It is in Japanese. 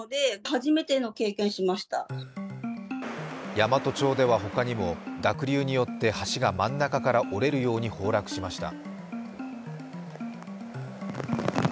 山都町ではほかにも濁流によって橋が真ん中から折れるように崩落しました。